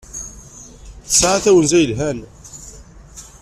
Tesɛa tawenza yelhan.